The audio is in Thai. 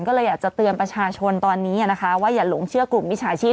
ก็เลยอยากจะเตือนประชาชนตอนนี้นะคะว่าอย่าหลงเชื่อกลุ่มมิจฉาชีพ